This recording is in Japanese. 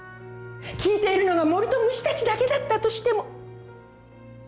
聴いているのが森と虫たちだけだったとしても。